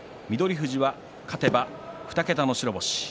富士は勝てば２桁の白星。